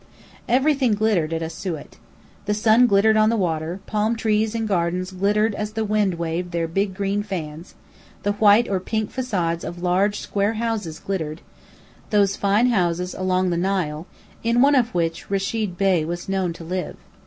Everything glittered at Asiut. The sun glittered on the water; palm trees in gardens glittered as the wind waved their big green fans; the white or pink facades of large, square houses glittered, those fine houses along the Nile, in one of which Rechid Bey was known to live.